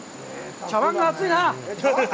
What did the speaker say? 茶わんが熱いな！